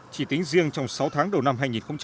chỉ tính riêng trong sáu tháng đầu năm hai nghìn một mươi sáu